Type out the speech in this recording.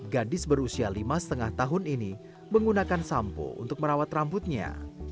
gadis berusia lima lima tahun ini menggunakan sampo untuk merawat rambutnya